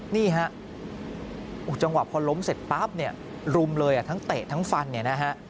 นี่ฮะจังหวะพอล้มเสร็จปั๊บเนี่ยรุมเลยทั้งเตะทั้งฟันเนี่ยนะฮะ